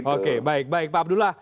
oke baik baik pak abdullah